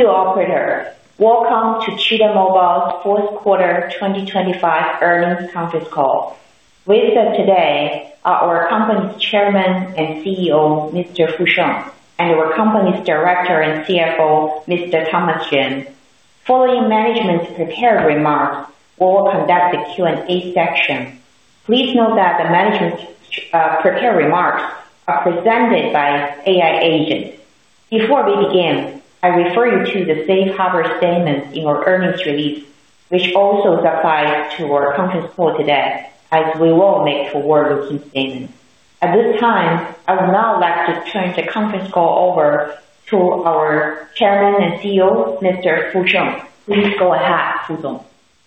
Thank you, operator. Welcome to Cheetah Mobile's Fourth Quarter 2025 Earnings Conference Call. With us today are our company's Chairman and CEO, Mr. Fu Sheng, and our company's Director and CFO, Mr. Thomas Jintao Ren. Following management's prepared remarks, we will conduct the Q&A section. Please note that the management's prepared remarks are presented by AI agent. Before we begin, I refer you to the safe harbor statements in our earnings release, which also applies to our conference call today as we will make forward-looking statements. At this time, I would now like to turn the conference call over to our Chairman and CEO, Mr. Fu Sheng. Please go ahead, Fu Sheng.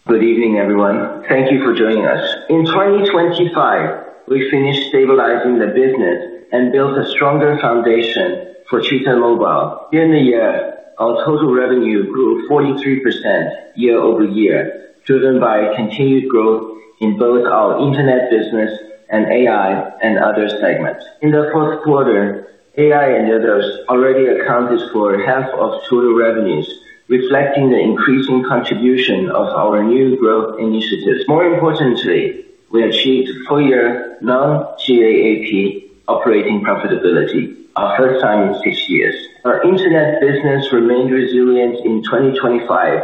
Good evening, everyone. Thank you for joining us. In 2025, we finished stabilizing the business and built a stronger foundation for Cheetah Mobile. During the year, our total revenue grew 43% year-over-year, driven by continued growth in both our internet business, and AI, and other segments. In the fourth quarter, AI and others already accounted for half of total revenues, reflecting the increasing contribution of our new growth initiatives. More importantly, we achieved full year non-GAAP operating profitability, our first time in six years. Our internet business remained resilient in 2025,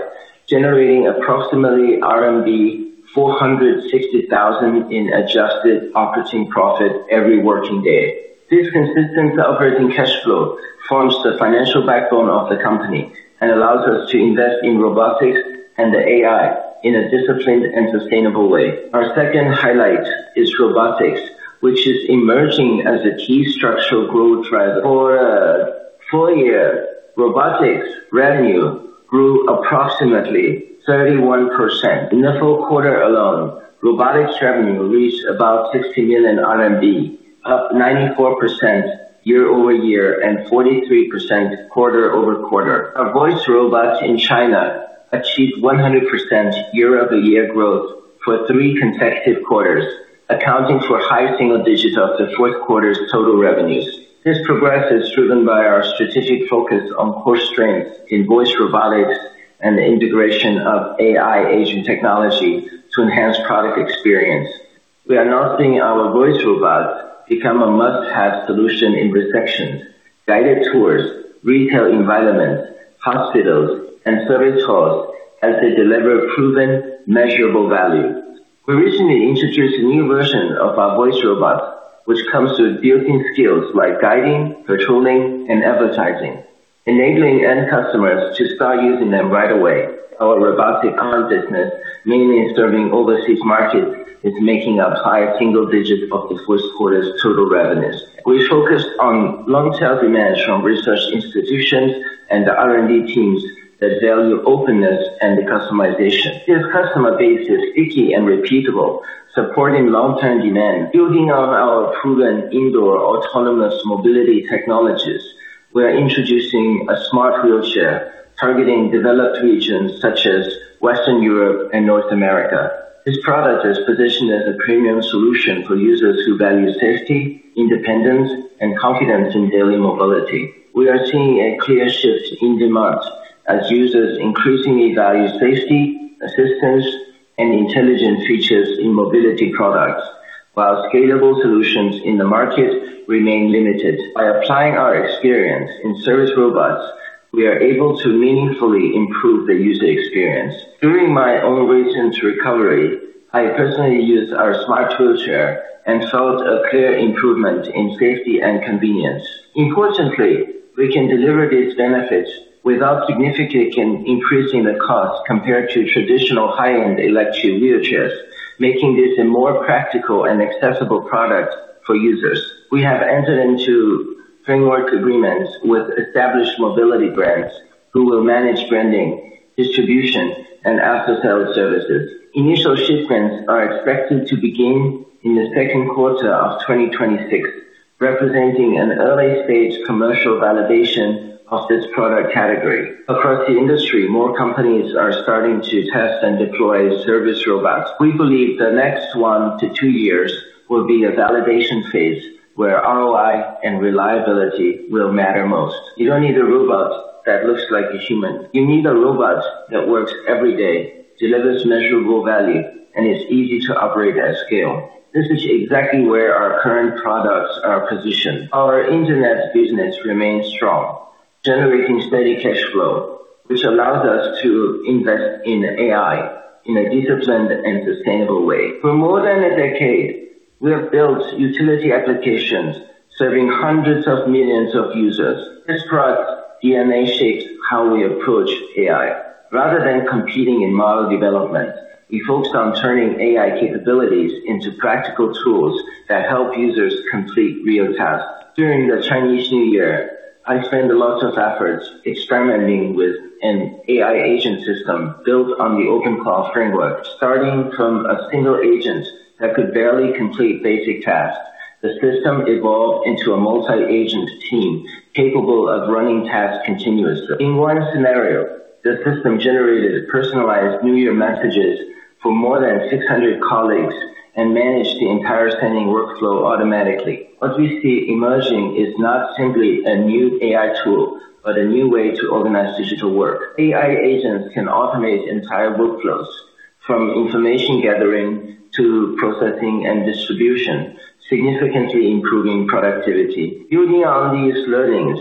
generating approximately RMB 460,000 in adjusted operating profit every working day. This consistent operating cash flow forms the financial backbone of the company and allows us to invest in robotics and AI in a disciplined and sustainable way. Our second highlight is robotics, which is emerging as a key structural growth driver. For full year, robotics revenue grew approximately 31%. In the fourth quarter alone, robotics revenue reached about 60 million RMB, up 94% year-over-year and 43% quarter-over-quarter. Our voice robots in China achieved 100% year-over-year growth for three consecutive quarters, accounting for high single digits of the fourth quarter's total revenues. This progress is driven by our strategic focus on core strength in voice robotics and the integration of AI agent technology to enhance product experience. We are now seeing our voice robots become a must-have solution in reception, guided tours, retail environments, hospitals, and service halls as they deliver proven measurable value. We recently introduced a new version of our voice robot, which comes with built-in skills like guiding, patrolling, and advertising, enabling end customers to start using them right away. Our robotic arm business, mainly serving overseas markets, is making up high single digits of the fourth quarter's total revenues. We focused on long-tail demand from research institutions and the R&D teams that value openness and customization. This customer base is sticky and repeatable, supporting long-term demand. Building on our proven indoor autonomous mobility technologies, we are introducing a smart wheelchair targeting developed regions such as Western Europe and North America. This product is positioned as a premium solution for users who value safety, independence, and confidence in daily mobility. We are seeing a clear shift in demand as users increasingly value safety, assistance, and intelligent features in mobility products, while scalable solutions in the market remain limited. By applying our experience in service robots, we are able to meaningfully improve the user experience. During my own recent recovery, I personally used our smart wheelchair and felt a clear improvement in safety and convenience. Importantly, we can deliver these benefits without significantly increasing the cost compared to traditional high-end electric wheelchairs, making this a more practical and accessible product for users. We have entered into framework agreements with established mobility brands who will manage branding, distribution, and after-sales services. Initial shipments are expected to begin in the second quarter of 2026, representing an early-stage commercial validation of this product category. Across the industry, more companies are starting to test and deploy service robots. We believe the next one to two years will be a validation phase where ROI and reliability will matter most. You don't need a robot that looks like a human. You need a robot that works every day, delivers measurable value, and is easy to operate at scale. This is exactly where our current products are positioned. Our internet business remains strong, generating steady cash flow, which allows us to invest in AI in a disciplined and sustainable way. For more than a decade, we have built utility applications serving hundreds of millions of users. This product's DNA shapes how we approach AI. Rather than competing in model development, we focus on turning AI capabilities into practical tools that help users complete real tasks. During the Chinese New Year, I spent lots of efforts experimenting with an AI agent system built on the OpenClaw framework. Starting from a single agent that could barely complete basic tasks, the system evolved into a multi-agent team capable of running tasks continuously. The system generated personalized New Year messages for more than 600 colleagues and managed the entire sending workflow automatically. What we see emerging is not simply a new AI tool, but a new way to organize digital work. AI agents can automate entire workflows, from information gathering to processing and distribution, significantly improving productivity. Building on these learnings,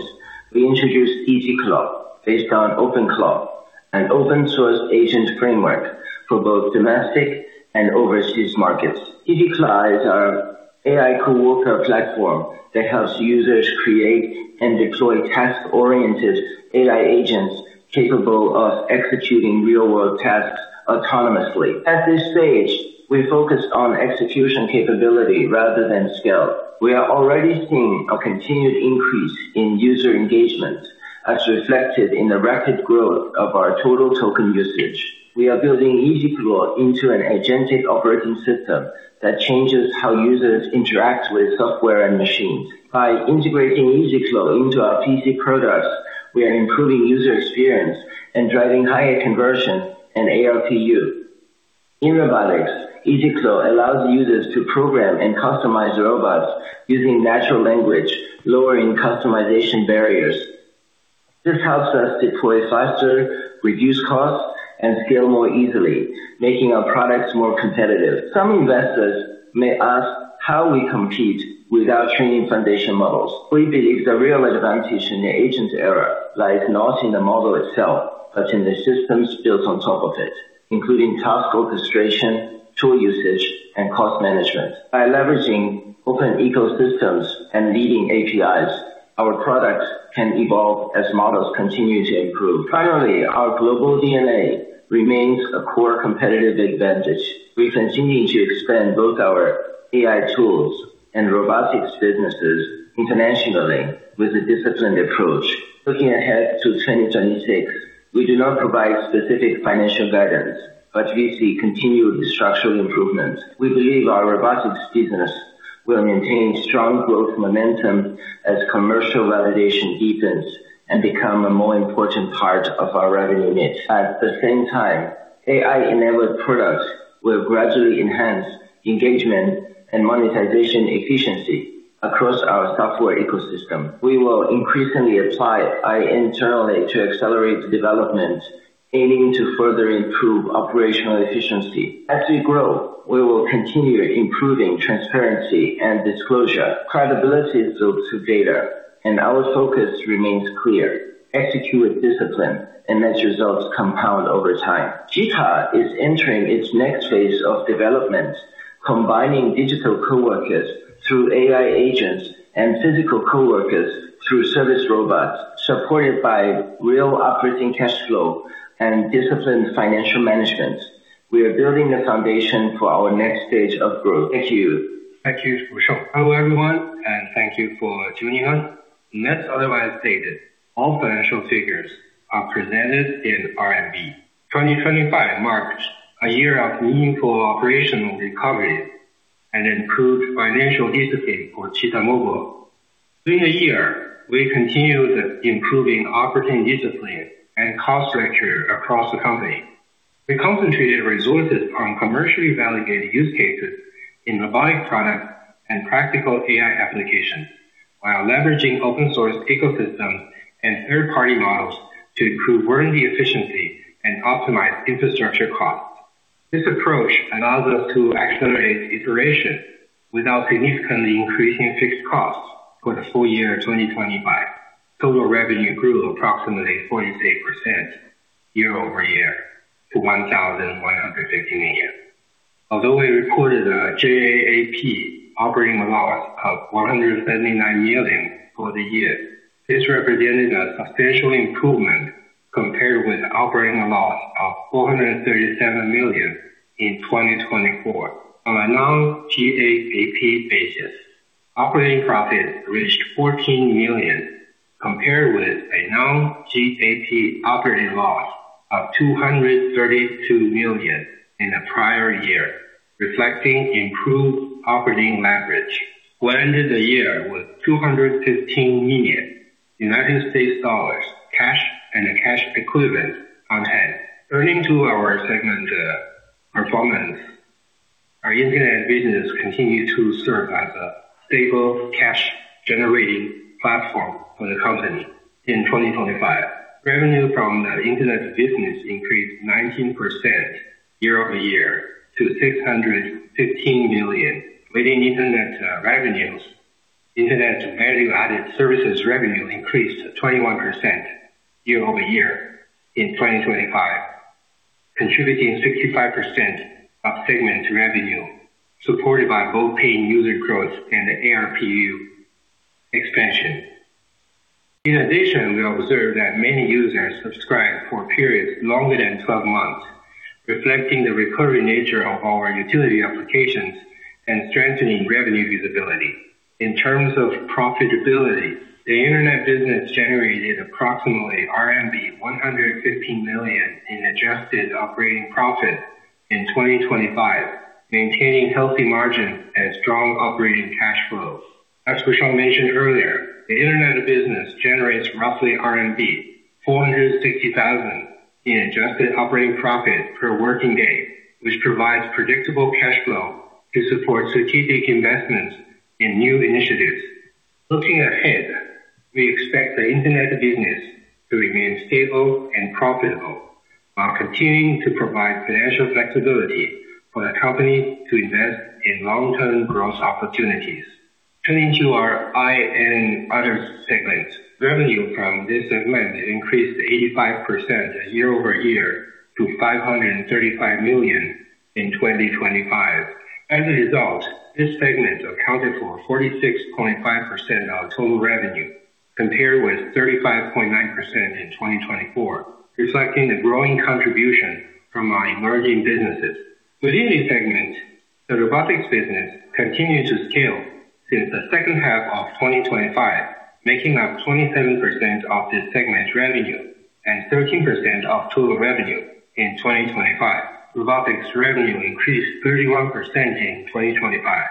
we introduced EasyClaw, based on OpenClaw, an open source agent framework for both domestic and overseas markets. EasyClaw is our AI coworker platform that helps users create and deploy task-oriented AI agents capable of executing real-world tasks autonomously. At this stage, we focused on execution capability rather than scale. We are already seeing a continued increase in user engagement, as reflected in the rapid growth of our total token usage. We are building EasyClaw into an agentic operating system that changes how users interact with software and machines. By integrating EasyClaw into our PC products, we are improving user experience and driving higher conversion and ARPU. In robotics, EasyClaw allows users to program and customize robots using natural language, lowering customization barriers. This helps us deploy faster, reduce costs, and scale more easily, making our products more competitive. Some investors may ask how we compete without training foundation models. We believe the real advantage in the agent era lies not in the model itself, but in the systems built on top of it, including task orchestration, tool usage, and cost management. By leveraging open ecosystems and leading APIs, our products can evolve as models continue to improve. Finally, our global DNA remains a core competitive advantage. We're continuing to expand both our AI tools and robotics businesses internationally with a disciplined approach. Looking ahead to 2026, we do not provide specific financial guidance, but we see continued structural improvements. We believe our robotics business will maintain strong growth momentum as commercial validation deepens and becomes a more important part of our revenue mix. At the same time, AI-enabled products will gradually enhance engagement and monetization efficiency across our software ecosystem. We will increasingly apply AI internally to accelerate development, aiming to further improve operational efficiency. As we grow, we will continue improving transparency and disclosure. Credibility is built through data and our focus remains clear. Execute with discipline and let results compound over time. Cheetah is entering its next phase of development, combining digital coworkers through AI agents and physical coworkers through service robots, supported by real operating cash flow and disciplined financial management. We are building the foundation for our next stage of growth. Thank you. Thank you, Fu Sheng. Hello, everyone, and thank you for tuning in. Unless otherwise stated, all financial figures are presented in CNY. 2025 marked a year of meaningful operational recovery and improved financial discipline for Cheetah Mobile. During the year, we continued improving operating discipline and cost structure across the company. We concentrated resources on commercially validated use cases in robotic products and practical AI applications while leveraging open source ecosystems and third-party models to improve R&D efficiency and optimize infrastructure costs. This approach allows us to accelerate iteration without significantly increasing fixed costs. For the full year 2025, total revenue grew approximately 48% year-over-year to 1.150 billion. Although we recorded a GAAP operating loss of 179 million for the year, this represented a substantial improvement compared with operating loss of 437 million in 2024. On a non-GAAP basis, operating profits reached 14 million, compared with a non-GAAP operating loss of 232 million in the prior year, reflecting improved operating leverage. We ended the year with $215 million cash and cash equivalents on hand. Turning to our segment performance, our internet business continued to serve as a stable cash-generating platform for the company in 2025. Revenue from the internet business increased 19% year-over-year to 615 million. Within internet revenues, internet value-added services revenue increased 21% year-over-year in 2025, contributing 65% of segment revenue, supported by both paying user growth and ARPU expansion. In addition, we observed that many users subscribed for periods longer than 12 months, reflecting the recurring nature of our utility applications and strengthening revenue visibility. In terms of profitability, the internet business generated approximately RMB 115 million in adjusted operating profit in 2025, maintaining healthy margins and strong operating cash flows. As Fu Sheng mentioned earlier, the internet business generates roughly RMB 460,000 in adjusted operating profit per working day, which provides predictable cash flow to support strategic investments in new initiatives. Looking ahead, we expect the internet business to remain stable and profitable while continuing to provide financial flexibility for the company to invest in long-term growth opportunities. Turning to our AI and other segments, revenue from this segment increased 85% year-over-year to 535 million in 2025. As a result, this segment accounted for 46.5% of total revenue, compared with 35.9% in 2024, reflecting the growing contribution from our emerging businesses. Within this segment, the robotics business continued to scale since the second half of 2025, making up 27% of this segment's revenue and 13% of total revenue in 2025. Robotics revenue increased 31% in 2025,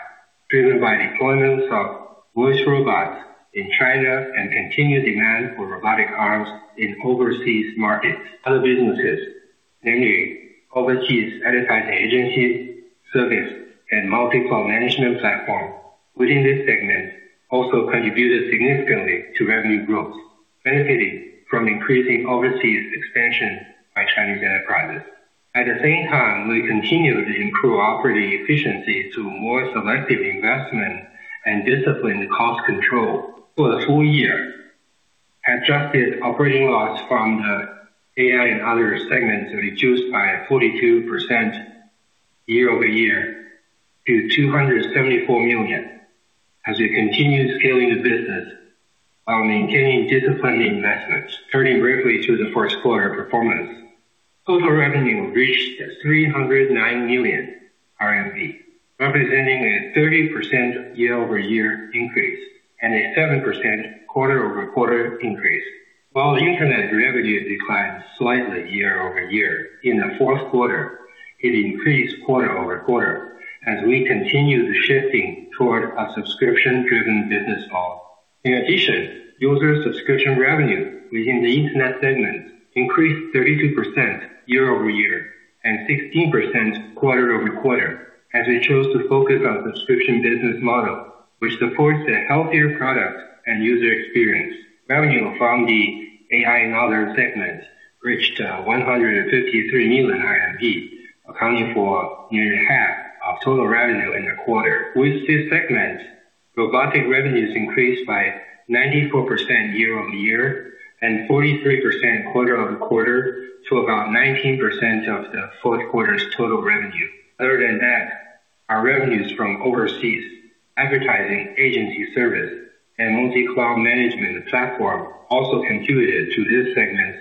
driven by deployments of voice robots in China and continued demand for robotic arms in overseas markets. Other businesses, namely overseas advertising agency service and multi-cloud management platform, within this segment, also contributed significantly to revenue growth, benefiting from increasing overseas expansion by Chinese enterprises. At the same time, we continued to improve operating efficiency through more selective investment and disciplined cost control. For the full year, adjusted operating loss from the AI and other segments reduced by 42% year-over-year to 274 million as we continue scaling the business while maintaining disciplined investments. Turning briefly to the first quarter performance. Total revenue reached 309 million RMB, representing a 30% year-over-year increase and a 7% quarter-over-quarter increase. While Internet revenue declined slightly year-over-year in the fourth quarter, it increased quarter-over-quarter as we continue the shifting toward a subscription driven business model. In addition, user subscription revenue within the Internet segment increased 32% year-over-year and 16% quarter-over-quarter as we chose to focus on subscription business model, which supports a healthier product and user experience. Revenue from the AI and other segments reached 153 million RMB, accounting for nearly half of total revenue in the quarter. Within segments, Robotics revenues increased by 94% year-over-year and 43% quarter-over-quarter to about 19% of the fourth quarter's total revenue. Other than that, our revenues from overseas advertising agency service and multi-cloud management platform also contributed to this segment's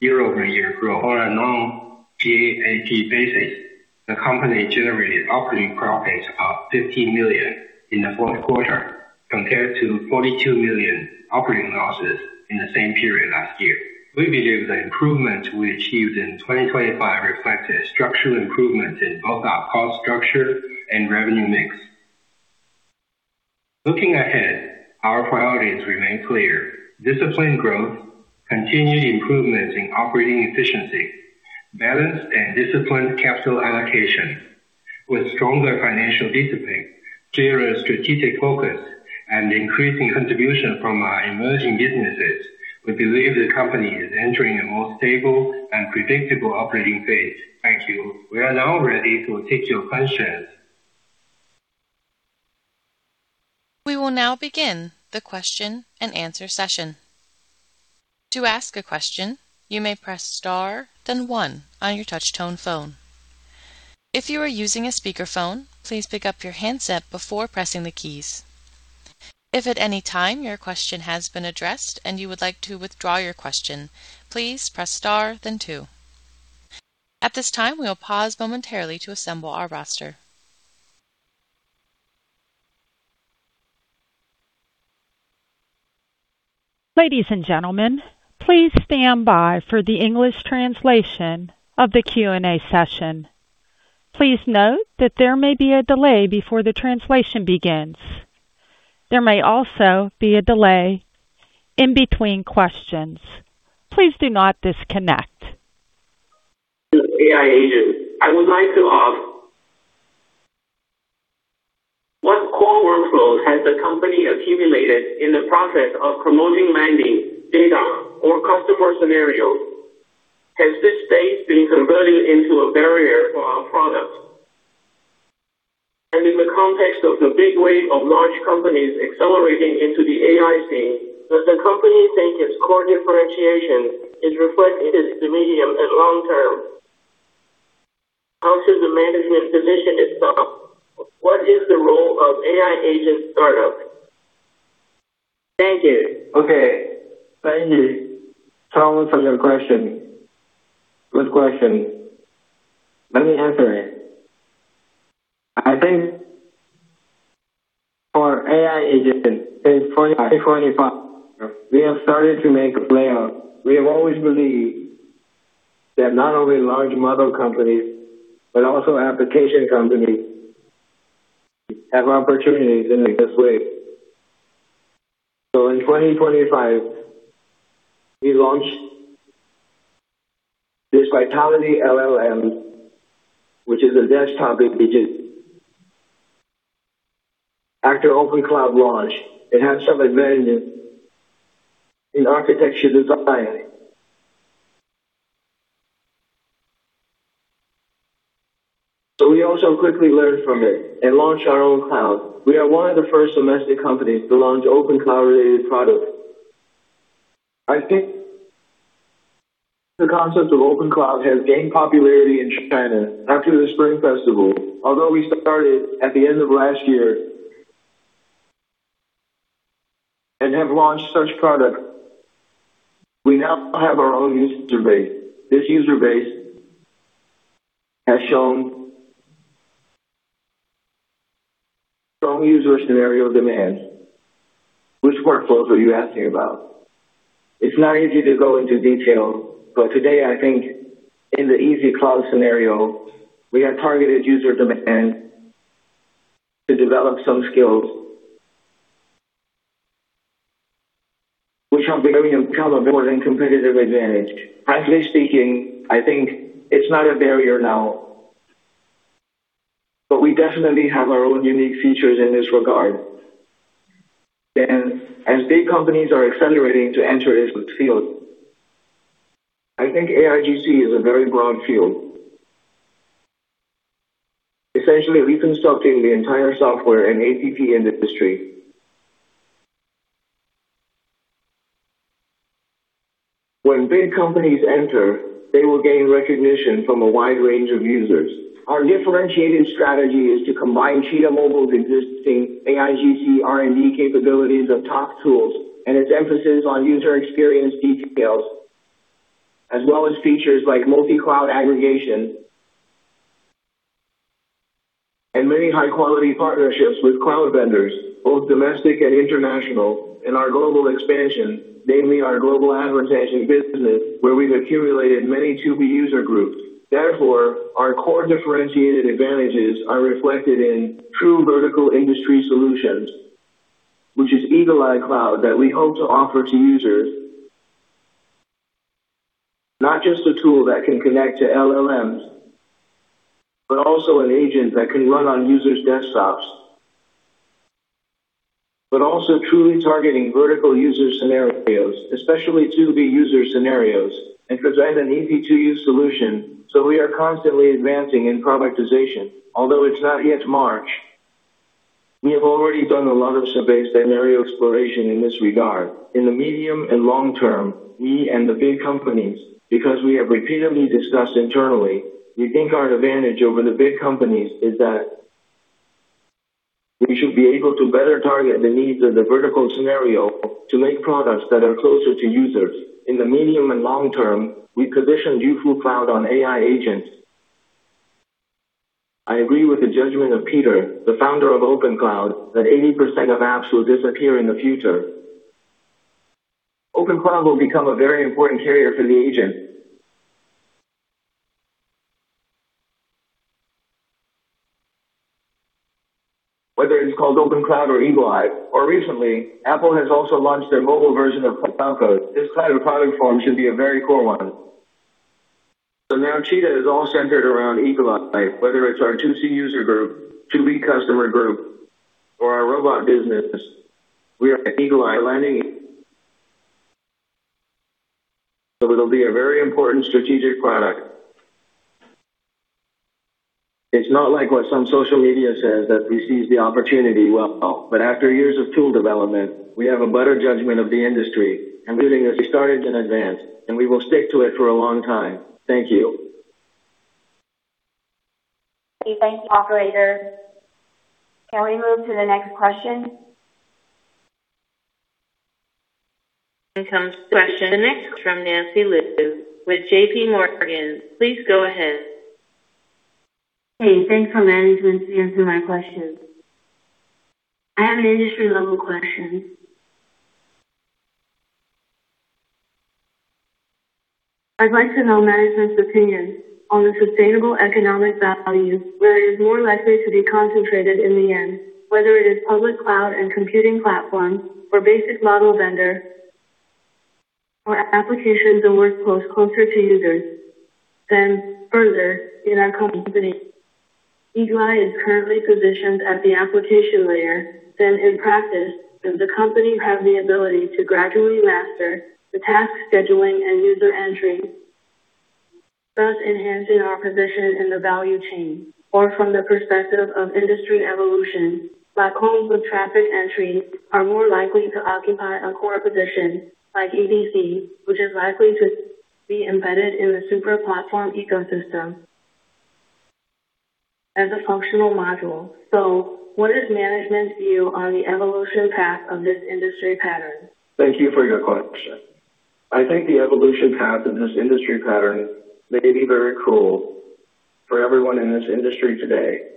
year-over-year growth. On a non-GAAP basis, the company generated operating profits of 15 million in the fourth quarter, compared to 42 million operating losses in the same period last year. We believe the improvements we achieved in 2025 reflected structural improvement in both our cost structure and revenue mix. Looking ahead, our priorities remain clear. Disciplined growth, continued improvements in operating efficiency, balanced and disciplined capital allocation. With stronger financial discipline, clearer strategic focus, and increasing contribution from our emerging businesses, we believe the company is entering a more stable and predictable operating phase. Thank you. We are now ready to take your questions. We will now begin the question and answer session. To ask a question, you may press star then one on your touch tone phone. If you are using a speakerphone, please pick up your handset before pressing the keys. If at any time your question has been addressed and you would like to withdraw your question, please press star then two. At this time, we will pause momentarily to assemble our roster. Ladies and gentlemen, please stand by for the English translation of the Q&A session. Please note that there may be a delay before the translation begins. There may also be a delay in between questions. Please do not disconnect. AI agent, I would like to ask, what core workflows has the company accumulated in the process of promoting landing data or customer scenarios? Has this phase been converted into a barrier for our product? In the context of the big wave of large companies accelerating into the AI scene, does the company think its core differentiation is reflected in the medium and long term? How should the management position itself? What is the role of AI agent startups? Thank you. Okay. Thank you. Thank you for your question. Good question. Let me answer it. I think. Our AI agent in 2025, we have started to make a pilot. We have always believed that not only large model companies, but also application companies have opportunities in this way. In 2025, we launched this Vitality LLM, which is a desktop agent. After OpenCloud launch, it had some advantage in architecture design. We also quickly learned from it and launched our own cloud. We are one of the first domestic companies to launch OpenCloud-related products. I think the concept of OpenCloud has gained popularity in China after the Spring Festival. Although we started at the end of last year and have launched such products, we now have our own user base. This user base has shown strong user scenario demands. Which workflows were you asking about? It's not easy to go into detail, but today I think in the EasyCloud scenario, we have targeted user demand to develop some skills which are very uncommon more than competitive advantage. Frankly speaking, I think it's not a barrier now, but we definitely have our own unique features in this regard. As big companies are accelerating to enter this field, I think AIGC is a very broad field. Essentially reconstructing the entire software and app industry. When big companies enter, they will gain recognition from a wide range of users. Our differentiating strategy is to combine Cheetah Mobile's existing AIGC R&D capabilities of top tools and its emphasis on user experience details, as well as features like multi-cloud aggregation and many high-quality partnerships with cloud vendors, both domestic and international, in our global expansion, namely our global advertising business, where we've accumulated many 2B user groups. Therefore, our core differentiated advantages are reflected in true vertical industry solutions, which is EagleEye Cloud that we hope to offer to users. Not just a tool that can connect to LLMs, but also an agent that can run on users' desktops, also truly targeting vertical user scenarios, especially 2B user scenarios, and present an easy-to-use solution. We are constantly advancing in productization. Although it's not yet March, we have already done a lot of survey scenario exploration in this regard. In the medium and long term, we and the big companies, because we have repeatedly discussed internally, we think our advantage over the big companies is that we should be able to better target the needs of the vertical scenario to make products that are closer to users. In the medium and long term, we positioned EasyCloud on AI agents. I agree with the judgment of Peter, the founder of OpenCloud, that 80% of apps will disappear in the future. OpenCloud will become a very important carrier for the agent. Whether it's called OpenCloud or EagleEye, or recently, Apple has also launched their mobile version of Claude Code. This kind of product form should be a very cool one. Now Cheetah is all centered around EagleEye, whether it's our 2C user group, 2B customer group, or our robot business. We are at EagleEye landing. It'll be a very important strategic product. It's not like what some social media says that we seize the opportunity well. After years of tool development, we have a better judgment of the industry, including that we started in advance, and we will stick to it for a long time. Thank you. Okay, thank you. Operator, can we move to the next question? The next question from Nancy Liu with JPMorgan. Please go ahead. Hey, thanks to management for answering my question. I have an industry-level question. I'd like to know management's opinion on the sustainable economic value, where it is more likely to be concentrated in the end, whether it is public cloud and computing platforms, or basic model vendor, or applications and workflows closer to users than further in our company. EagleEye is currently positioned at the application layer. In practice, does the company have the ability to gradually master the task scheduling and user entry, thus enhancing our position in the value chain? Or from the perspective of industry evolution, black holes with traffic entry are more likely to occupy a core position like ABC, which is likely to be embedded in the super platform ecosystem as a functional module. What is management's view on the evolution path of this industry pattern? Thank you for your question. I think the evolution path in this industry pattern may be very cool for everyone in this industry today.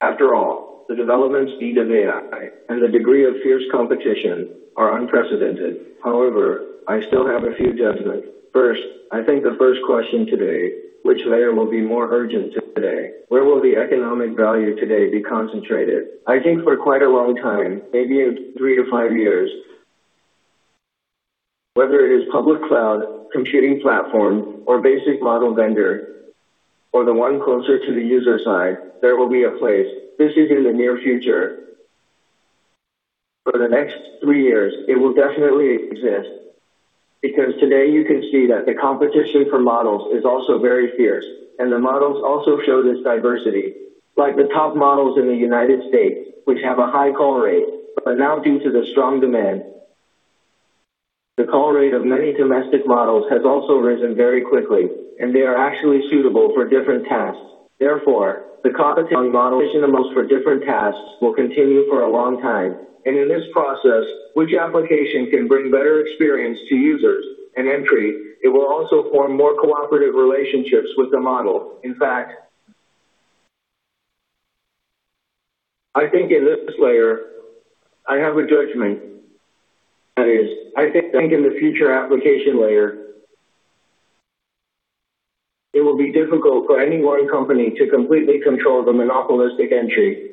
After all, the development needs of AI and the degree of fierce competition are unprecedented. However, I still have a few judgments. First, I think the first question today, which layer will be more urgent today? Where will the economic value today be concentrated? I think for quite a long time, maybe in three to five years, whether it is public cloud computing platform, or basic model vendor, or the one closer to the user side, there will be a place. This is in the near future. For the next three years, it will definitely exist because today you can see that the competition for models is also very fierce, and the models also show this diversity, like the top models in the United States, which have a high call rate. Now due to the strong demand, the call rate of many domestic models has also risen very quickly, and they are actually suitable for different tasks. Therefore, the competition models for different tasks will continue for a long time. In this process, which application can bring better experience to users and entry, it will also form more cooperative relationships with the model. In fact, I think in this layer, I have a judgment. That is, I think in the future application layer, it will be difficult for any one company to completely control the monopolistic entry.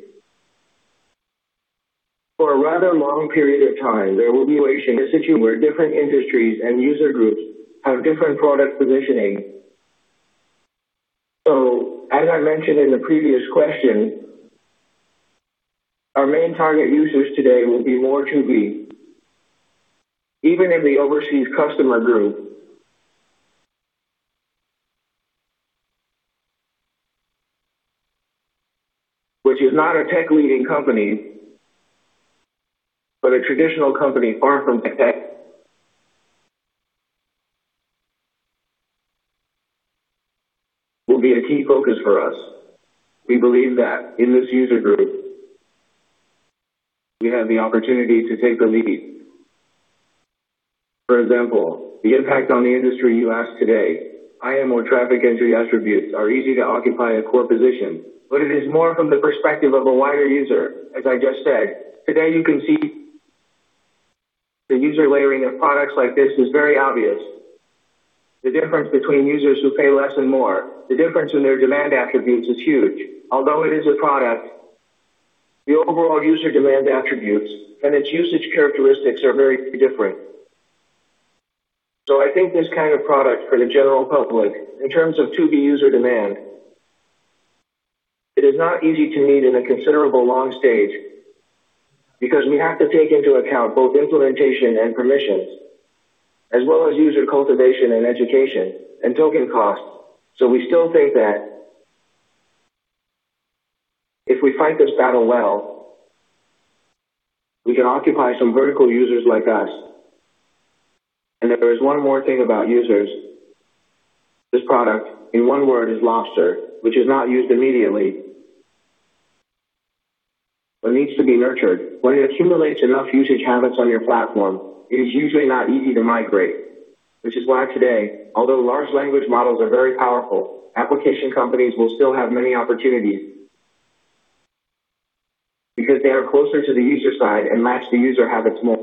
For a rather long period of time, there will be a situation where different industries and user groups have different product positioning. As I mentioned in the previous question, our main target users today will be more 2B, even in the overseas customer group, which is not a tech leading company, but a traditional company far from tech will be a key focus for us. We believe that in this user group, we have the opportunity to take the lead. For example, the impact on the industry you ask today, IM or traffic entry attributes are easy to occupy a core position, but it is more from the perspective of a wider user. As I just said, today you can see the user layering of products like this is very obvious. The difference between users who pay less and more, the difference in their demand attributes is huge. Although it is a product, the overall user demand attributes and its usage characteristics are very different. I think this kind of product for the general public in terms of the user demand, it is not easy to meet in a considerable long stage because we have to take into account both implementation and permissions, as well as user cultivation and education, and token costs. We still think that if we fight this battle well, we can occupy some vertical users like us. If there is one more thing about users, this product in one word is lobster, which is not used immediately, but needs to be nurtured. When it accumulates enough usage habits on your platform, it is usually not easy to migrate. Which is why today, although large language models are very powerful, application companies will still have many opportunities because they are closer to the user side and match the user habits more.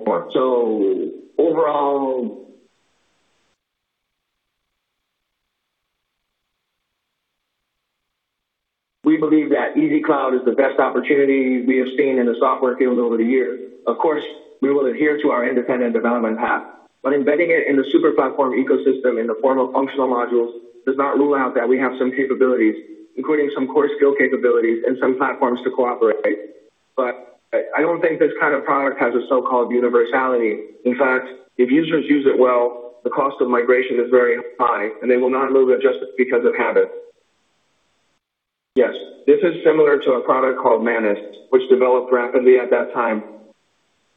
Overall, we believe that EasyCloud is the best opportunity we have seen in the software field over the years. Of course, we will adhere to our independent development path, but embedding it in the super platform ecosystem in the form of functional modules does not rule out that we have some capabilities, including some core skill capabilities and some platforms to cooperate. I don't think this kind of product has a so-called universality. In fact, if users use it well, the cost of migration is very high, and they will not move it just because of habit. Yes. This is similar to a product called Manus, which developed rapidly at that time.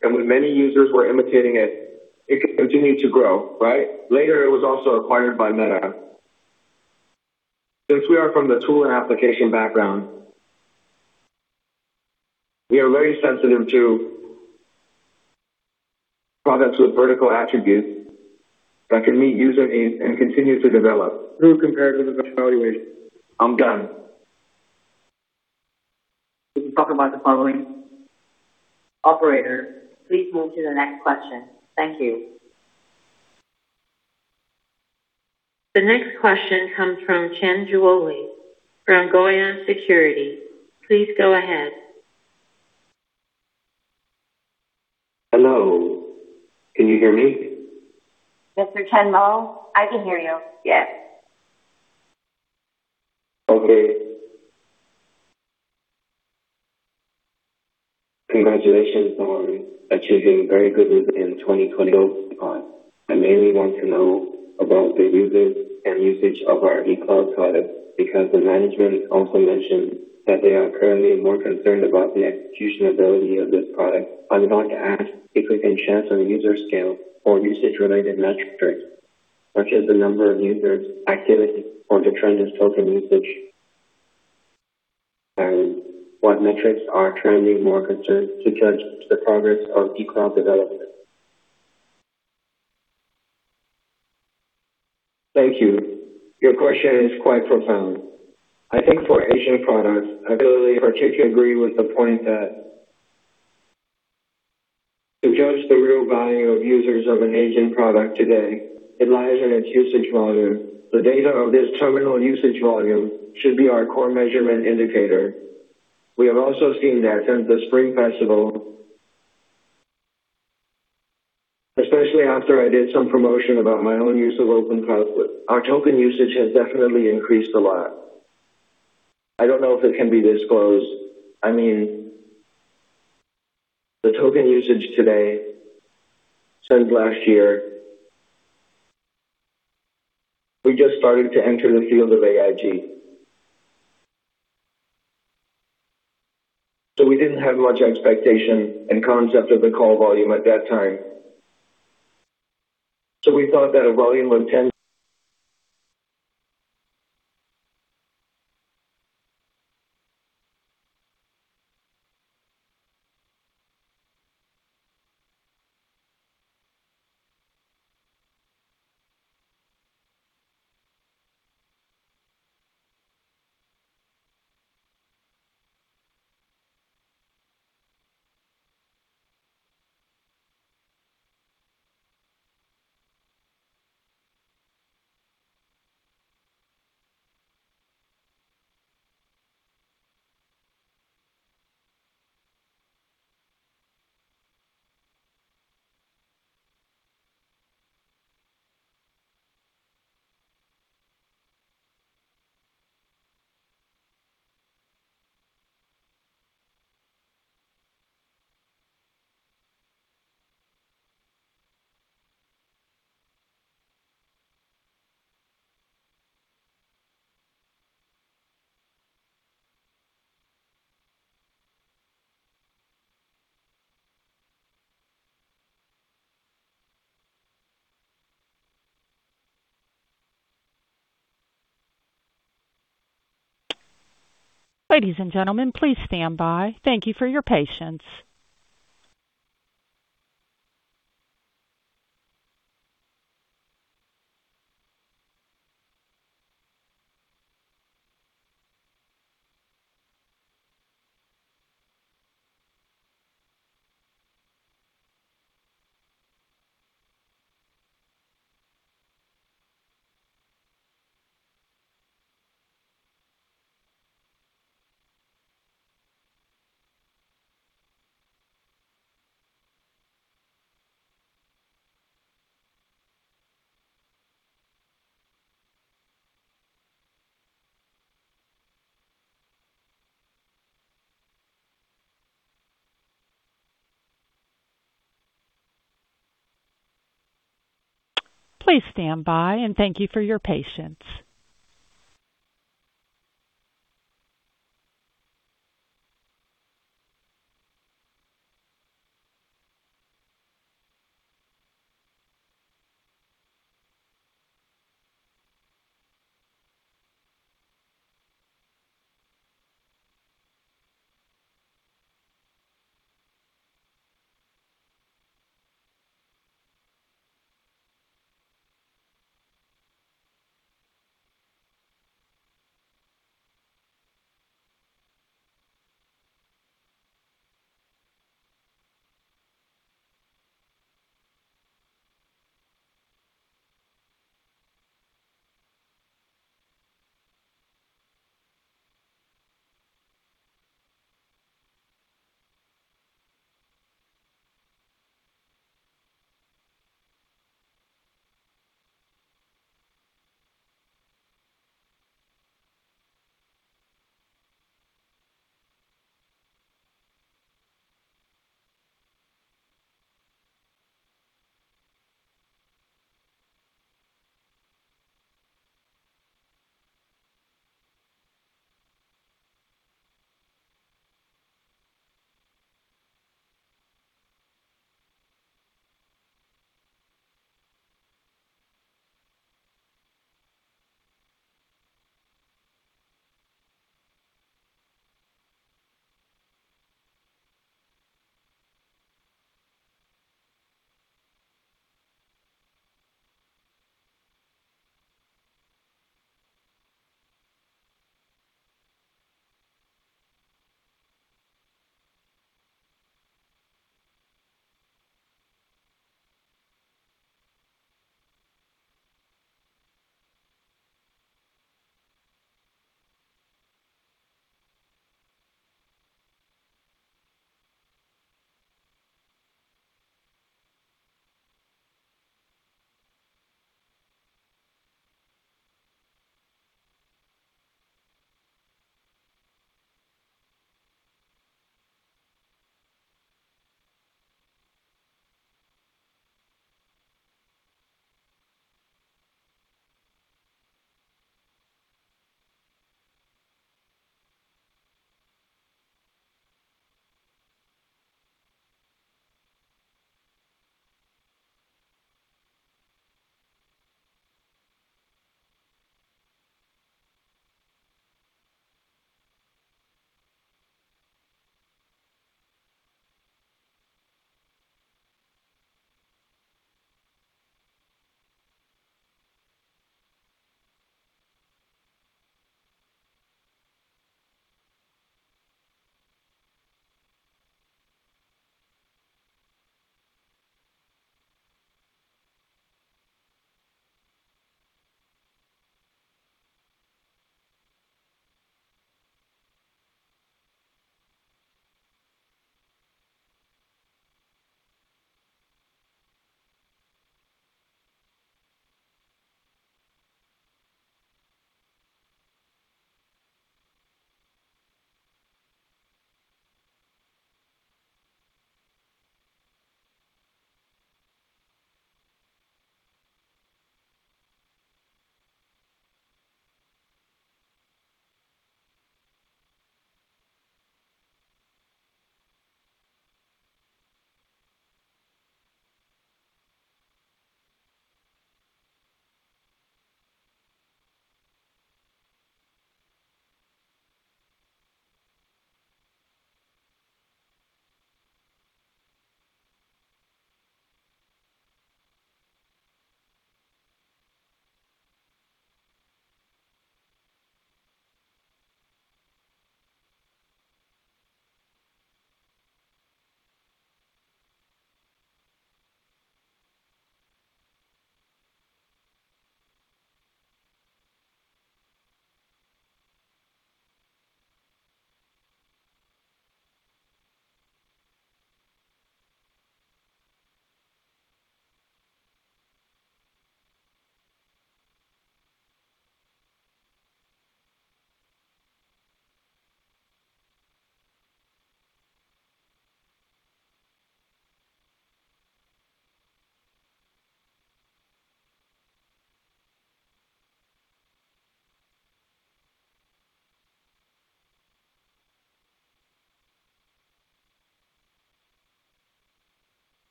When many users were imitating it, it continued to grow, right? Later, it was also acquired by Meta. Since we are from the tool and application background, we are very sensitive to products with vertical attributes that can meet user needs and continue to develop through comparative evaluation. I'm done. We can talk about the following. Operator, please move to the next question. Thank you. The next question comes from Chengru Li from Guoyuan Securities. Please go ahead. Hello. Can you hear me? Mr. Chengru, I can hear you. Yes. Okay. Congratulations on achieving very good results in 2025. I mainly want to know about the users and usage of our EasyCloud products because the management also mentioned that they are currently more concerned about the execution ability of this product. I would like to ask if we can share some user scale or usage related metrics, such as the number of users, activity, or the trend of token usage. What metrics are trending more concerned to judge the progress of EasyCloud development? Thank you. Your question is quite profound. I think for agent products, I really particularly agree with the point that to judge the real value of users of an agent product today, it lies in its usage volume. The data of this terminal usage volume should be our core measurement indicator. We have also seen that since the Spring Festival, especially after I did some promotion about my own use of OpenClaw, our token usage has definitely increased a lot. I don't know if it can be disclosed. I mean, the token usage today since last year, we just started to enter the field of AIGC. We didn't have much expectation and concept of the call volume at that time. We thought that a volume of ten- Ladies and gentlemen, please stand by. Thank you for your patience. Please stand by, and thank you for your patience.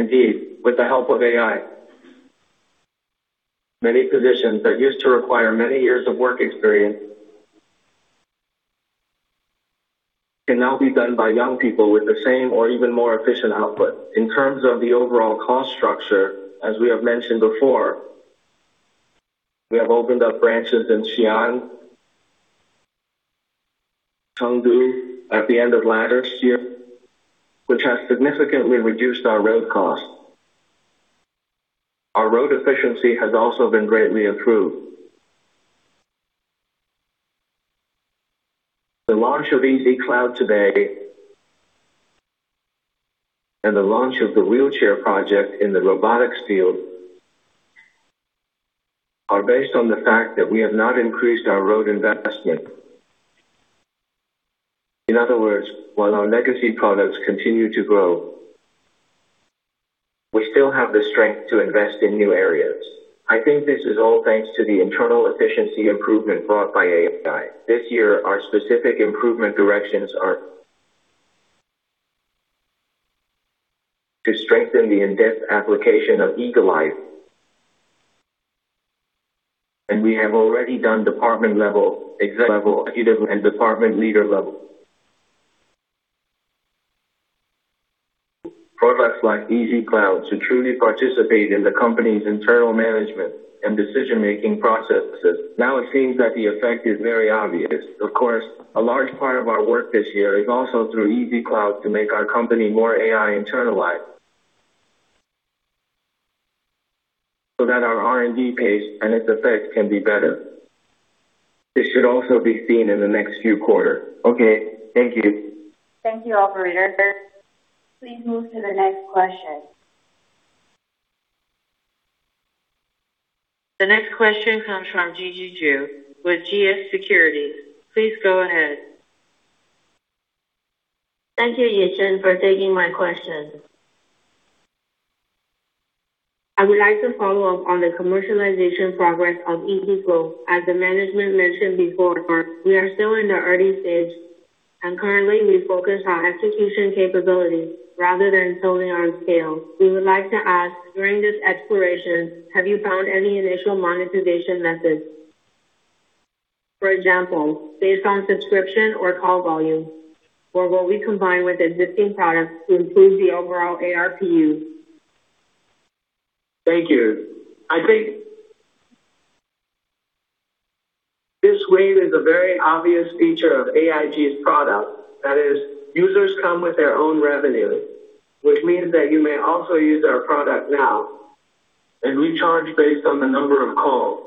Indeed, with the help of AI, many positions that used to require many years of work experience can now be done by young people with the same or even more efficient output. In terms of the overall cost structure, as we have mentioned before. We have opened up branches in Xi'an, Chengdu at the end of last year, which has significantly reduced our R&D costs. Our R&D efficiency has also been greatly improved. The launch of EasyCloud today and the launch of the wheelchair project in the robotics field are based on the fact that we have not increased our R&D investment. In other words, while our legacy products continue to grow, we still have the strength to invest in new areas. I think this is all thanks to the internal efficiency improvement brought by AI. This year, our specific improvement directions are to strengthen the in-depth application of EagleEye, and we have already done department level, executive and department leader level, products like EasyCloud to truly participate in the company's internal management and decision-making processes. Now it seems that the effect is very obvious. Of course, a large part of our work this year is also through EasyCloud to make our company more AI internalized so that our R&D pace and its effect can be better. This should also be seen in the next few quarters. Okay, thank you. Thank you. Operator, please move to the next question. The next question comes from Gigi Ju with GS Securities. Please go ahead. Thank you, Yichen, for taking my question. I would like to follow up on the commercialization progress of EasyClaw. As the management mentioned before, we are still in the early stage and currently we focus on execution capabilities rather than solely on scale. We would like to ask, during this exploration, have you found any initial monetization methods? For example, based on subscription or call volume, or will we combine with existing products to improve the overall ARPU? Thank you. I think this wave is a very obvious feature of AIGC's product. That is, users come with their own revenue, which means that you may also use our product now, and we charge based on the number of calls.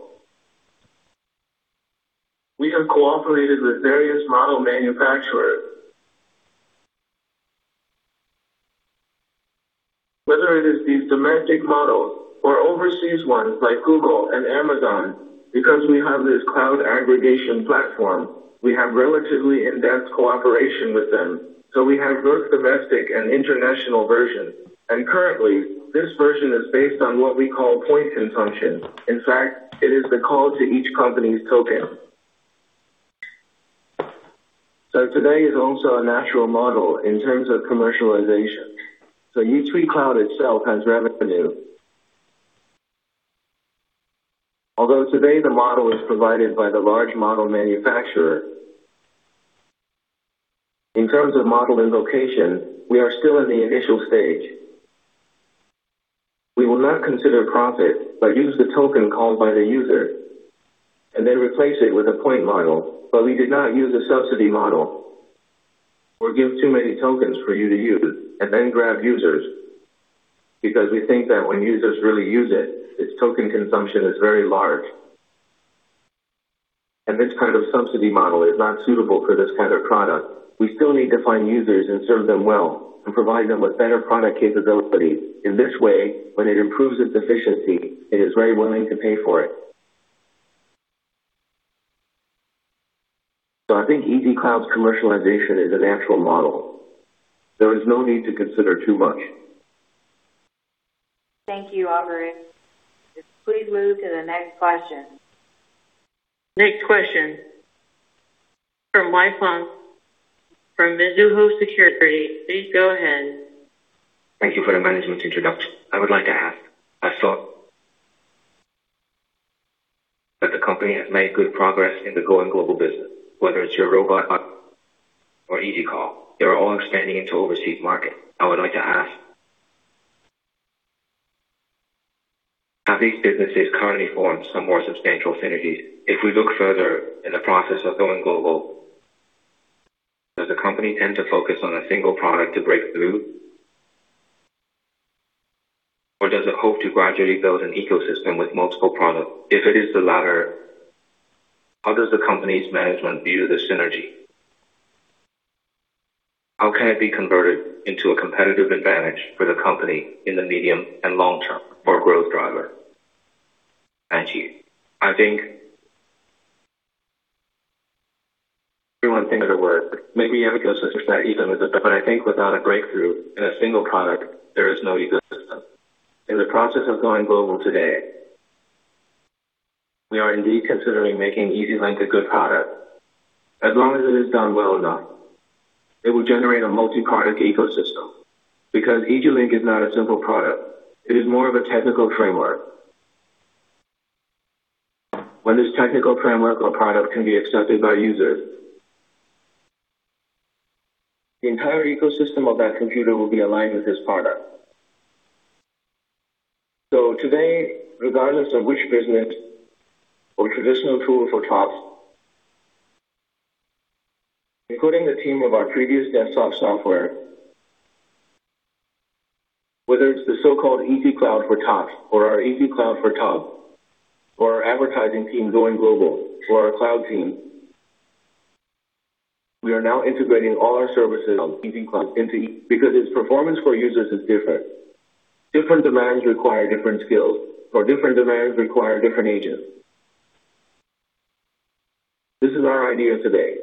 We have cooperated with various model manufacturers. Whether it is these domestic models or overseas ones like Google and Amazon, because we have this cloud aggregation platform, we have relatively in-depth cooperation with them. We have both domestic and international versions. Currently, this version is based on what we call point consumption. In fact, it is the call to each company's token. Today is also a natural model in terms of commercialization. EasyCloud itself has revenue. Although today the model is provided by the large model manufacturer. In terms of model invocation, we are still in the initial stage. We will not consider profit, but use the token called by the user, and then replace it with a point model. We did not use a subsidy model or give too many tokens for you to use and then grab users, because we think that when users really use it, its token consumption is very large. This kind of subsidy model is not suitable for this kind of product. We still need to find users and serve them well and provide them with better product capabilities. In this way, when it improves its efficiency, it is very willing to pay for it. I think EasyCloud's commercialization is a natural model. There is no need to consider too much. Thank you, operator. Please move to the next question. Next question from Wei Fang from Mizuho Securities. Please go ahead. Thank you for the management introduction. I would like to ask. I thought that the company has made good progress in the going global business, whether it's your robot or EasyClaw. They are all expanding into overseas market. I would like to ask, have these businesses currently formed some more substantial synergies? If we look further in the process of going global, does the company tend to focus on a single product to break through? Or does it hope to gradually build an ecosystem with multiple products? If it is the latter, how does the company's management view the synergy? How can it be converted into a competitive advantage for the company in the medium and long term for growth driver? Thank you. I think everyone thinks it works. Maybe ecosystems are easy, but I think without a breakthrough in a single product, there is no ecosystem. In the process of going global today, we are indeed considering making EasyClaw a good product. As long as it is done well enough, it will generate a multi-product ecosystem. Because EasyClaw is not a simple product. It is more of a technical framework. When this technical framework or product can be accepted by users, the entire ecosystem of that computer will be aligned with this product. Today, regardless of which business or traditional tools for 2C, including the team of our previous desktop software, whether it's the so-called EasyCloud for 2C or our EasyCloud for 2B, or our advertising team going global or our cloud team, we are now integrating all our services on EasyCloud into each, because its performance for users is different. Different demands require different skills, or different demands require different agents. This is our idea today.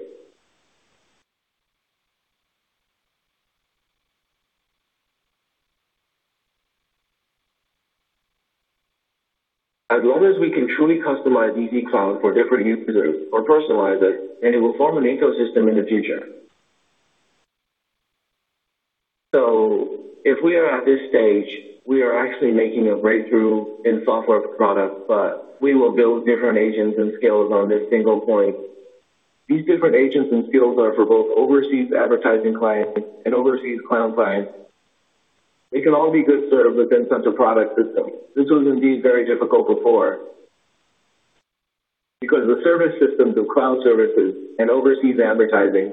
As long as we can truly customize EasyCloud for different users or personalize it, then it will form an ecosystem in the future. If we are at this stage, we are actually making a breakthrough in software products, but we will build different agents and skills on this single point. These different agents and skills are for both overseas advertising clients and overseas cloud clients. They can all be well served within such a product system. This was indeed very difficult before, because the service systems of cloud services and overseas advertising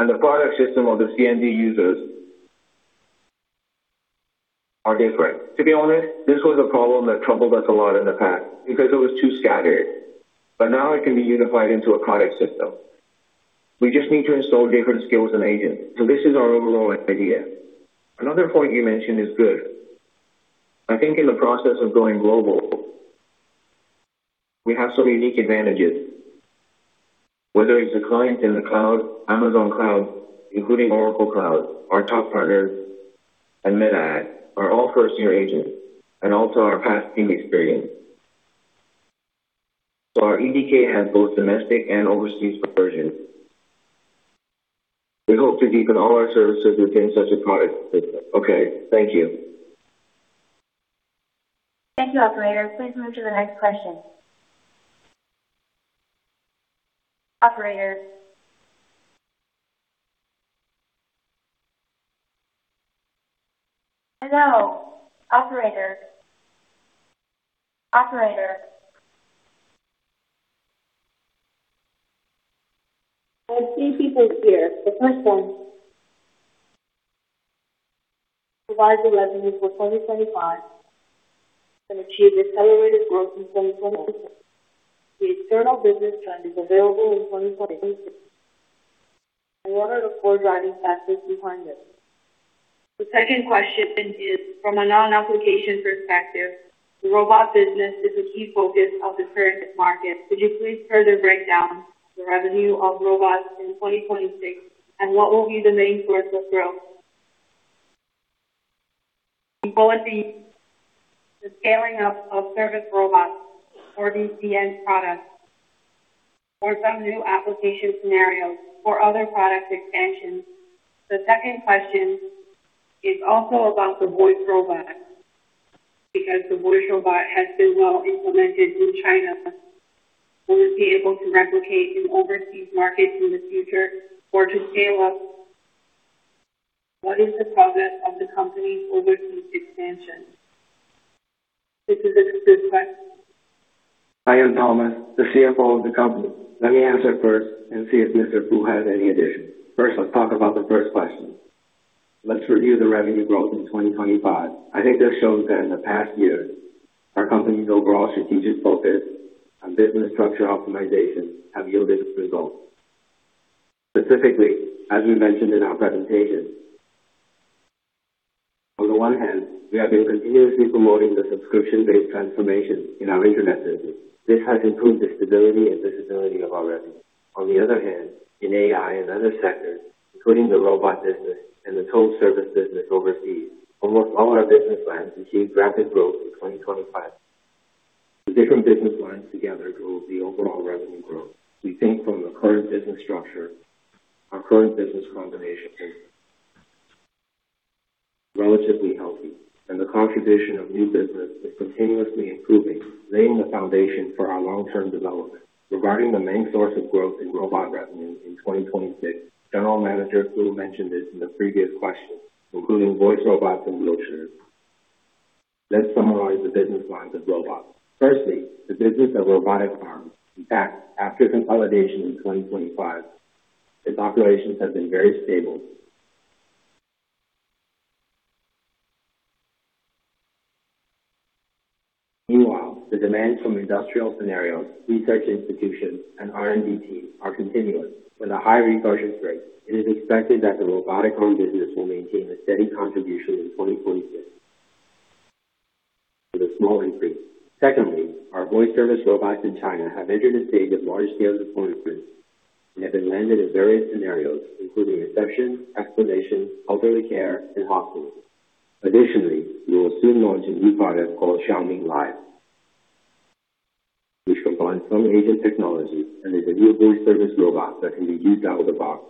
and the product system of the C and B users are different. To be honest, this was a problem that troubled us a lot in the past because it was too scattered. Now it can be unified into a product system. We just need to install different skills and agents. This is our overall idea. Another point you mentioned is good. I think in the process of going global, we have some unique advantages, whether it's our clients in the cloud, Amazon cloud, including Oracle cloud, our top partners, and Meta Ads are all first-tier agents, and also our best team experience. Our EasyClaw has both domestic and overseas versions. We hope to deepen all our services within such a product system. Okay. Thank you. Thank you operator. Please move to the next question. The first one. Provide the revenue for 2025 and achieve accelerated growth in 2024. The external business trend is available in 2026. What are the four driving factors behind this? The second question is from a non-application perspective, the robot business is a key focus of the current market. Could you please further break down the revenue of robots in 2026 and what will be the main source of growth? Will it be the scaling up of service robots or BCN products or some new application scenarios or other product expansions? The second question is also about the voice robot. Because the voice robot has been well implemented in China, will it be able to replicate in overseas markets in the future or to scale up? What is the progress of the company's overseas expansion? This is a good question. I am Thomas, the CFO of the company. Let me answer first and see if Mr. Fu has any additions. First, let's talk about the first question. Let's review the revenue growth in 2025. I think this shows that in the past year, our company's overall strategic focus on business structure optimization have yielded results, specifically, as we mentioned in our presentation. On the one hand, we have been continuously promoting the subscription-based transformation in our internet business. This has improved the stability and visibility of our revenue. On the other hand, in AI and other sectors, including the robot business and the total service business overseas, almost all our business lines achieved rapid growth in 2025. The different business lines together drove the overall revenue growth. We think from the current business structure, our current business combination is relatively healthy, and the contribution of new business is continuously improving, laying the foundation for our long-term development. Regarding the main source of growth in robot revenue in 2026, General Manager Fu mentioned this in the previous question, including voice robots and wheelchairs. Let's summarize the business lines of robots. Firstly, the business of robotic arms. In fact, after consolidation in 2025, its operations have been very stable. Meanwhile, the demands from industrial scenarios, research institutions, and R&D teams are continuous. With a high recursion rate, it is expected that the robotic arm business will maintain a steady contribution in 2026 with a small increase. Secondly, our voice service robots in China have entered a stage of large-scale deployment and have been landed in various scenarios, including reception, explanation, elderly care, and hospitals. Additionally, we will soon launch a new product called Xiaoming Live, which combines some agent technology and is a new voice service robot that can be used out of the box.